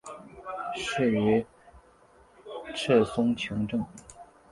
仕于赤松晴政。